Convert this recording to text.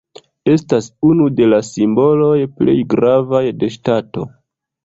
Estas unu de la simboloj plej gravaj de ŝtato.